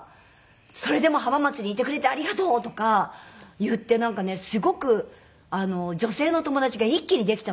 「それでも浜松にいてくれてありがとう！」とか言ってなんかねすごく女性の友達が一気にできたのと。